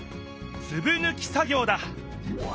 つぶぬき作業だ。